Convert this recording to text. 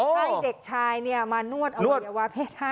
ให้เด็กชายเนี่ยมานวดอวัยอวาเพศให้